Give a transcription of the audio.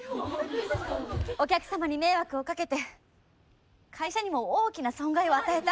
お客様に迷惑をかけて会社にも大きな損害を与えた。